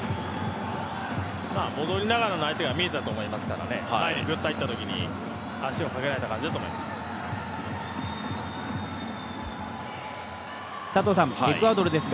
戻りながら相手が見えたと思いますから前にぐっと入ったときに足をかけられた感じだと思います。